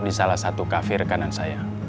di salah satu cafe rekanan saya